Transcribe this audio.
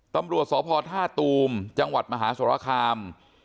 ตำรวจสพท่าตูมจังหวัดมหาสรคาม